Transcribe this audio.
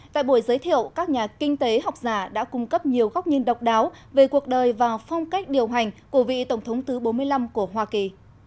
tại buổi giới thiệu các nhà kinh tế học giả đã cung cấp nhiều góc nhìn độc đáo về cuộc đời và phong cách điều hành của vị tổng thống thứ bốn mươi năm của hoa kỳ